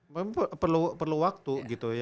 memang perlu waktu gitu